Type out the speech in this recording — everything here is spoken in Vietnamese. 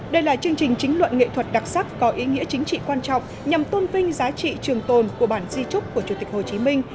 đây là chương trình chính luận nghệ thuật đặc sắc có ý nghĩa chính trị quan trọng nhằm tôn vinh giá trị trường tồn của bản di trúc của chủ tịch hồ chí minh